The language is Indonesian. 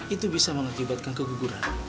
itu bisa mengakibatkan keguguran